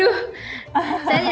hahaha oh enak banget ya